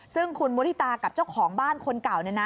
ซึ่งคุณมุฒิตากับเจ้าของบ้านคนเก่า